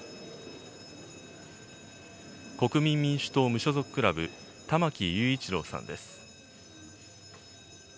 国民民主党・無所属クラブ、玉木雄一郎さんです。